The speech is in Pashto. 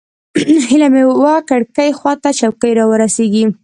هیله مې وه کړکۍ خوا ته چوکۍ راورسېږي.